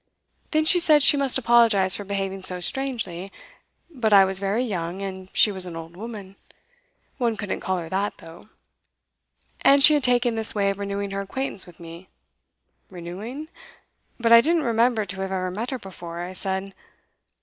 Then she said she must apologise for behaving so strangely, but I was very young, and she was an old woman, one couldn't call her that, though, and she had taken this way of renewing her acquaintance with me. Renewing? But I didn't remember to have ever met her before, I said.